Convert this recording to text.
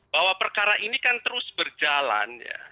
bahwa perkara ini kan terus berjalan